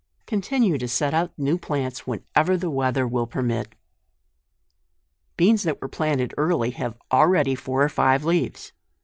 Continue to set out new plants whenever the weather will permit. BEANS that were planted early, have already four or five leaves.